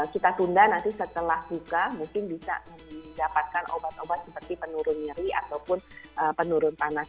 kita tunda nanti setelah buka mungkin bisa mendapatkan obat obat seperti penurun nyeri ataupun penurun panas